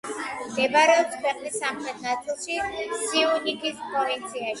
მდებარეობს ქვეყნის სამხრეთ ნაწილში, სიუნიქის პროვინციაში.